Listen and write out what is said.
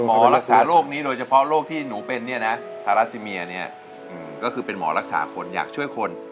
หมอรักษาโรคนี้โดยเฉพาะโรคที่หนูเป็นเนี่ยนะทาราซิเมียเนี่ยก็คือเป็นหมอรักษาคนอยากช่วยคน